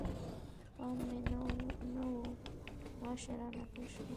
پام مې نه و، ماشه رانه کش شوه.